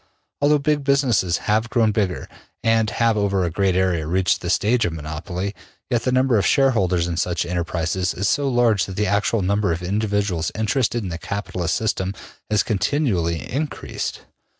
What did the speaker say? Although big businesses have grown bigger and have over a great area reached the stage of monopoly, yet the number of shareholders in such enterprises is so large that the actual number of individuals interested in the capitalist system has continually increased.